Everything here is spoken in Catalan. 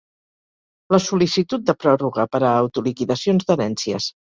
La sol·licitud de pròrroga per a autoliquidacions d’herències.